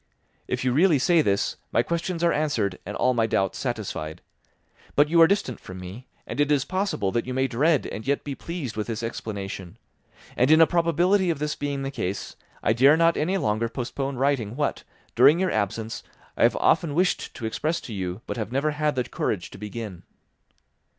If you really say this, my questions are answered and all my doubts satisfied. But you are distant from me, and it is possible that you may dread and yet be pleased with this explanation; and in a probability of this being the case, I dare not any longer postpone writing what, during your absence, I have often wished to express to you but have never had the courage to begin.